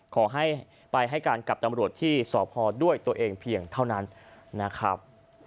ขอให้ไปให้การกับตำรวจที่สพด้วยตัวเองเพียงเท่านั้นนะครับ